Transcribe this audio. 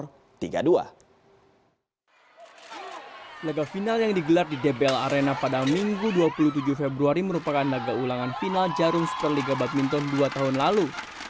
laga final yang digelar di debel arena pada minggu dua puluh tujuh februari merupakan laga ulangan final jarum super liga badminton dua tahun lalu